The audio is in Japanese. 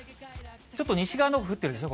ちょっと西側のほう、降ってますね。